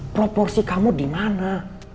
proporsi kamu dimana